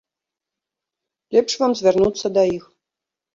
Лепш вам звярнуцца да іх.